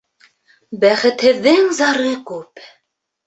Бәхетһеҙҙең зары күп.